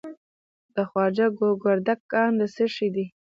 د خواجه ګوګردک کان د څه شي دی؟